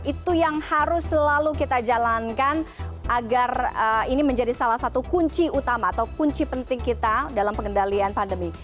itu yang harus selalu kita jalankan agar ini menjadi salah satu kunci utama atau kunci penting kita dalam pengendalian pandemi